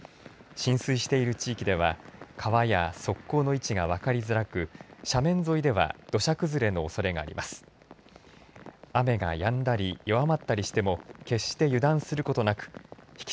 浸水している地域では川や側溝の位置が分かりづらく斜面沿いでは土砂崩れのおそれがあります。